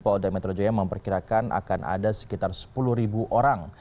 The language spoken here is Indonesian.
polda metro jaya memperkirakan akan ada sekitar sepuluh orang